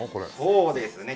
そうですね。